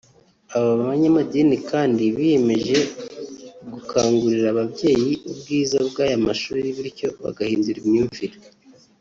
Aba banyamadini kandi biyemeje gukangurira ababyeyi ubwiza bw’aya mashuri bityo bagahindura imyumvire